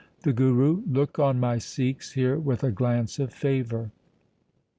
The Guru — Look on my Sikhs here with a glance of favour.